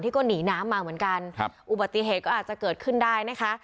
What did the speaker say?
ที่ก็หนีน้ำมาเหมือนกันครับอุบัติเหตุก็อาจจะเกิดขึ้นได้นะคะ